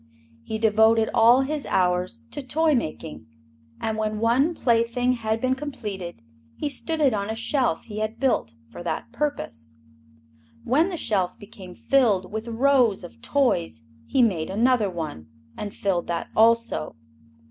He devoted all his hours to toy making, and when one plaything had been completed he stood it on a shelf he had built for that purpose. When the shelf became filled with rows of toys he made another one, and filled that also.